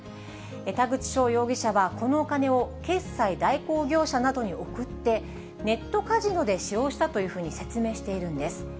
田口翔容疑者は、このお金を決済代行業者などに送って、ネットカジノで使用したというふうに説明しているんです。